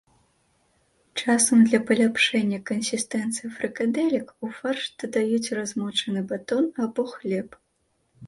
Часам для паляпшэння кансістэнцыі фрыкадэлек ў фарш дадаюць размочаны батон або хлеб.